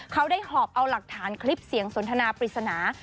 เขาได้หอบเอาหลักฐานคลิปเสียงสนทนาปริศนา